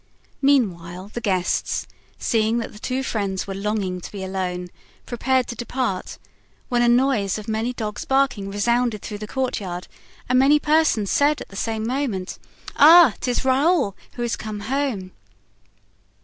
Meanwhile the guests, seeing that the two friends were longing to be alone, prepared to depart, when a noise of dogs barking resounded through the courtyard and many persons said at the same moment: "Ah! 'tis Raoul, who is come home."